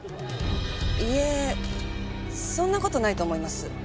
いえそんな事ないと思います。